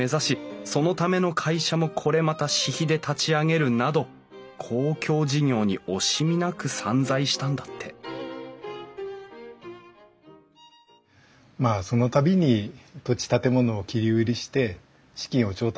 そのための会社もこれまた私費で立ち上げるなど公共事業に惜しみなく散財したんだってまあその度に土地建物を切り売りして資金を調達したんだと思います。